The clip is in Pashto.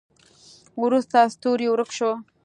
وروسته ستوری ورک شو.